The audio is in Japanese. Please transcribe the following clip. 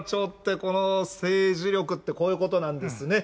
この政治力ってこういうことなんですね。